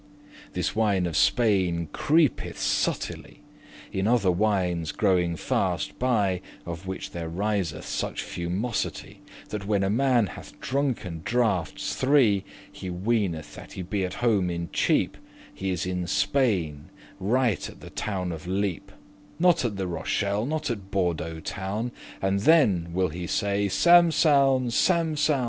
This wine of Spaine creepeth subtilly — In other wines growing faste by, Of which there riseth such fumosity, That when a man hath drunken draughtes three, And weeneth that he be at home in Cheap, He is in Spain, right at the town of Lepe, Not at the Rochelle, nor at Bourdeaux town; And thenne will he say, Samsoun! Samsoun!